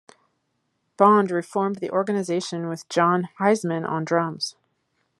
Bond reformed the Organisation with Jon Hiseman on drums.